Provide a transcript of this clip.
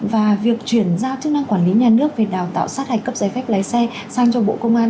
và việc chuyển giao chức năng quản lý nhà nước về đào tạo sát hạch cấp giấy phép lái xe sang cho bộ công an